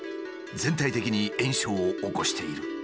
全体的に炎症を起こしている。